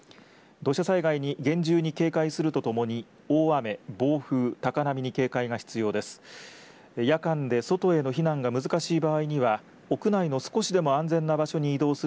土砂災害に厳重に警戒するとともに大雨、暴風、高波に警戒が必要です。